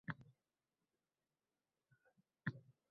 dunyoga keladi the_bakiroo